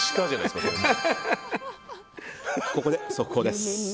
ここで速報です。